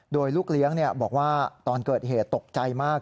โดยลูกเลี้ยงบอกว่าตอนเกิดเหตุตกใจมาก